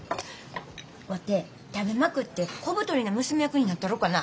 ワテ食べまくって小太りな娘役になったろかな。